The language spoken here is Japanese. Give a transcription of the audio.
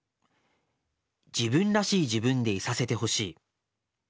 「自分らしい自分でいさせてほしい。